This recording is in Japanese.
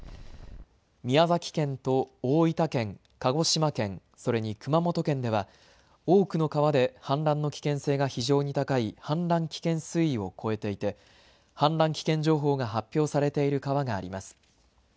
宮崎県と大分県、鹿児島県それに熊本県では多くの川で氾濫の危険性が非常に高い氾濫危険水位を超えていて氾濫危険情報が発表されている川があります。